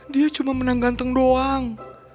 dia cuma menang ganteng doang